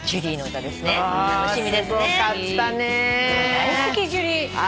大好きジュリー。